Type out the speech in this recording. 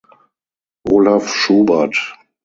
Olaf Schubert.